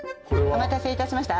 お待たせいたしました。